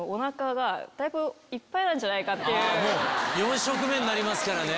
４食目になりますからね。